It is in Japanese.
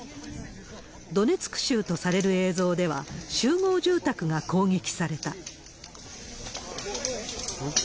ドネツク州とされる映像では、集合住宅が攻撃された。